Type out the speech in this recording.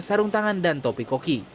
sarung tangan dan topi koki